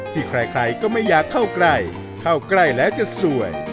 ที่ใครก็ไม่อยากเข้าใกล้เข้าใกล้แล้วจะสวย